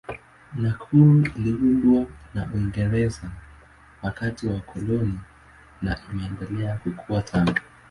Nakuru iliundwa na Uingereza wakati wa ukoloni na imeendelea kukua tangu.